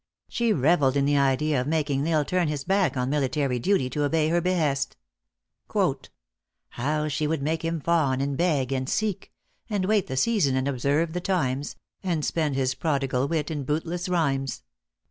She reveled in the idea of making L Isle turn his back on military duty to obey her behest: " How she would make him fawn, and beg and seek, And wait the season and observe the times, And spend his prodigal wit in bootless rhymes."